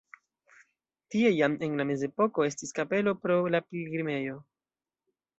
Tie jam en la mezepoko estis kapelo pro la pilgrimejo.